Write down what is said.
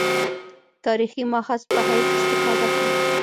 تاریخي مأخذ په حیث استفاده کړې.